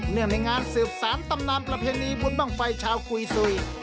ในงานสืบสารตำนานประเพณีบุญบ้างไฟชาวกุยสุย